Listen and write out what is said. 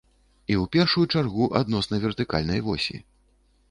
І ў першую чаргу адносна вертыкальнай восі.